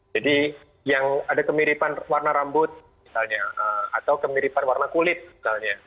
jadi yang ada kemiripan warna rambut misalnya atau kemiripan warna kulit misalnya